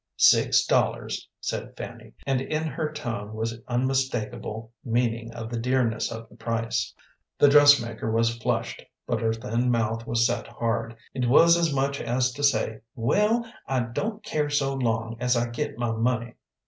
"Six dollars," said Fanny, and in her tone was unmistakable meaning of the dearness of the price. The dressmaker was flushed, but her thin mouth was set hard. It was as much as to say, "Well, I don't care so long as I get my money."